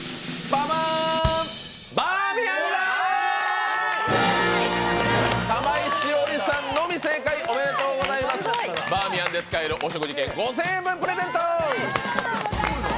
バーミヤンで使えるお食事券５０００円分プレゼント！